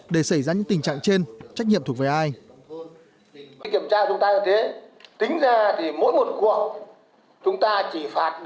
để xảy ra những tình trạng trên trách nhiệm thuộc về ai